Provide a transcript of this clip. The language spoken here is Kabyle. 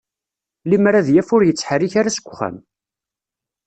Limmer ad yaf ur yettḥarrik ara seg uxxam.